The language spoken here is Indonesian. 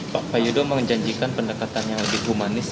pak yudo menjanjikan pendekatan yang lebih humanis